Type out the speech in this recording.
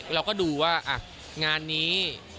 เราก็ดูว่างานนี้